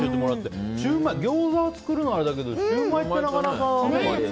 ギョーザは作るのあれだけどシューマイって、なかなかね。